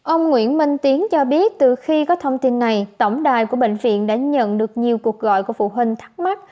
ông nguyễn minh tiến cho biết từ khi có thông tin này tổng đài của bệnh viện đã nhận được nhiều cuộc gọi về vaccine